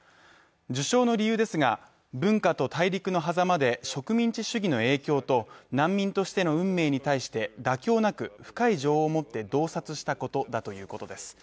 授賞の理由ですが、文化と大陸の狭間で植民地主義の影響と難民としての運命に対して妥協なく、深い情を持って洞察したこととしています。